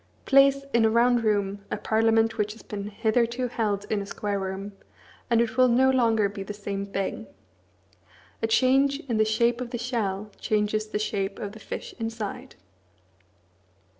Place in a round room a parliament which has been hitherto held in a square room, and it will no longer be the same thing. A change in the shape of the shell changes the shape of the fish inside.